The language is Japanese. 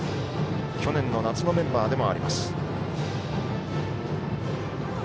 去年の夏のメンバーでもあります。